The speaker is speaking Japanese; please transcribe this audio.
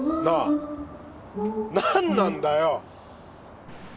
なぁ何なんだよ。